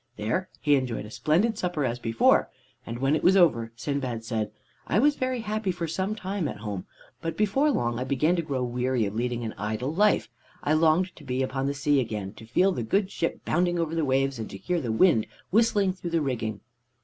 There he enjoyed a splendid supper as before, and when it was over Sindbad said: "I was very happy for some time at home, but before long I began to grow weary of leading an idle life. I longed to be upon the sea again, to feel the good ship bounding over the waves, and to hear the wind whistling through the rigging.